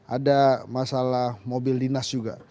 ada masalah mobil dinas juga